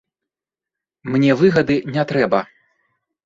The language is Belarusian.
Мне выгады не трэба.